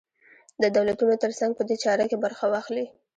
د دولتونو تر څنګ په دې چاره کې برخه واخلي.